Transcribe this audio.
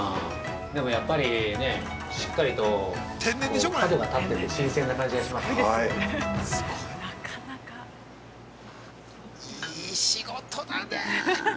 でも、やっぱりねしっかりと角が立ってて新鮮な感じがしますね。